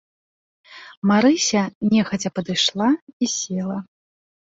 Марыся нехаця падышла і села.